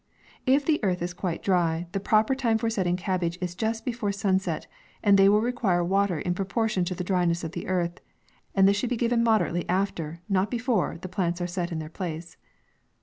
If the earth is quite dry, the proper time forgetting cabbage is just before sunset, and they will require water in proportion to the dryness of the earth ; and this should be giv en moderately after, not before, the plants are set in their place.